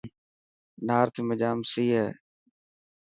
نارٿ ۾ جام سئي هي.